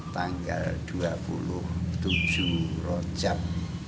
tanggal dua puluh tujuh rojab